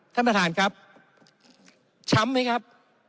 ท่านประธานครับช้ำไหมครับ